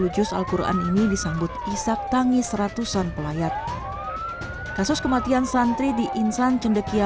tiga puluh juz alquran ini disambut isyak tangis ratusan pelayar kasus kematian santri di insan cendekia